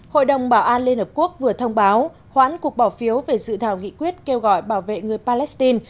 hội đồng bảo an liên hợp quốc vừa thông báo hoãn cuộc bỏ phiếu về dự thảo nghị quyết kêu gọi bảo vệ người palestine